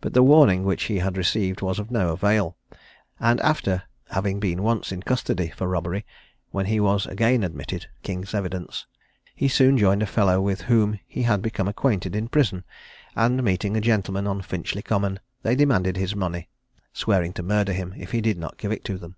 But the warning which he had received was of no avail; and after having been once in custody for a robbery, when he was again admitted king's evidence, he soon joined a fellow with whom he had become acquainted in prison, and meeting a gentleman on Finchley Common, they demanded his money, swearing to murder him, if he did not give it to them.